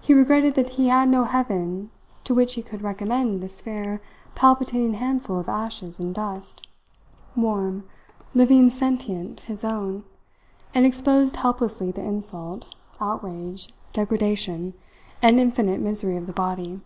He regretted that he had no Heaven to which he could recommend this fair, palpitating handful of ashes and dust warm, living sentient his own and exposed helplessly to insult, outrage, degradation, and infinite misery of the body.